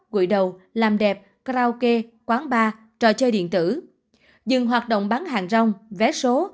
quỵ đầu làm đẹp karaoke quán bar trò chơi điện tử dừng hoạt động bán hàng rong vé số